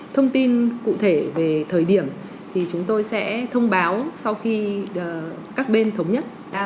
thông tin cụ thể về thời điểm thì chúng tôi sẽ thông báo sau khi các bên thống nhất